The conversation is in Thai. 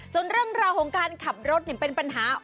ส่วนเรื่องราวของการขับรถเป็นปัญหา